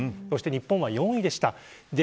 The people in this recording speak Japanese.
そして日本は４位でした。